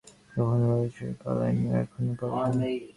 আমি কখনো লড়াই ছেড়ে পালাইনি, আর এখনো পালাবো না।